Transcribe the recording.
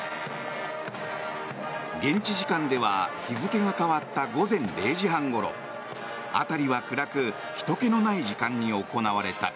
現地時間では日付が変わった午前０時半ごろ辺りは暗くひとけのない時間に行われた。